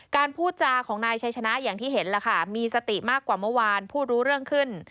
พูดจาของนายชัยชนะอย่างที่เห็นล่ะค่ะมีสติมากกว่าเมื่อวานผู้รู้เรื่องขึ้น